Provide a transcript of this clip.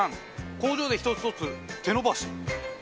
工場で１つ１つ、手のばし。